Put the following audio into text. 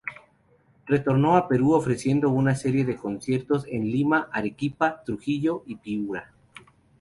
Retornó a Perú ofreciendo una serie de conciertos en Lima, Arequipa, Trujillo y Piura.